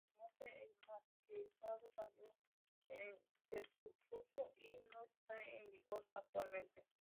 A su muerte el marquesado cayó en desuso y no está en vigor actualmente.